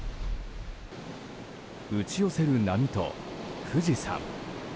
打ち寄せる波と富士山。